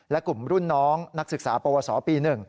และกลุ่มรุ่นน้องนักศึกษาปวสปี๑